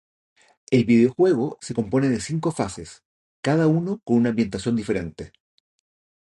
El videojuego se compone de cinco fases, cada uno con una ambientación diferente.